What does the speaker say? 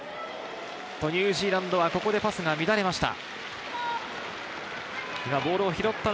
ニュージーランドはここでパスが乱れました。